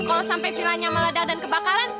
kalau sampai vilanya meledak dan kebakaran